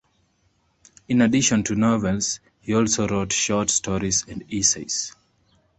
In addition to novels, he also wrote short stories and essays.